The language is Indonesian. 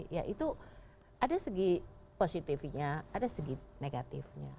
ya itu ada segi positifinya ada segi negatifnya